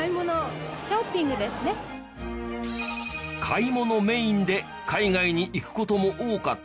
買い物メインで海外に行く事も多かった。